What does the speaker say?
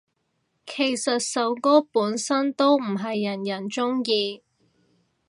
其實首歌本身都唔係人人鍾意